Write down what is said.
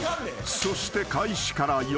［そして開始から４０秒］